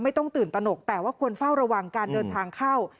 ไม่ต้องตื่นตนกแต่ว่าควรเฝ้าระวังการเดินทางเข้า